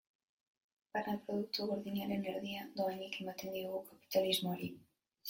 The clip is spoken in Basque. Barne Produktu Gordinaren erdia dohainik ematen diogu kapitalismoari.